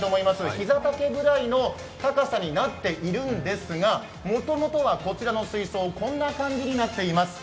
膝丈ぐらいの高さになっているんですがもともとはこちらの水槽こんな感じです。